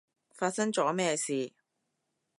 發生咗咩事？